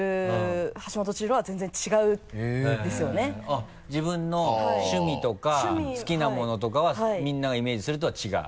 あっ自分の趣味とか好きなものとかはみんながイメージするのとは違う？